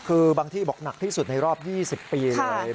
คือบางที่บอกหนักที่สุดในรอบ๒๐ปีเลย